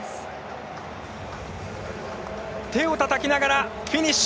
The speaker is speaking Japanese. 手をたたきながらフィニッシュ！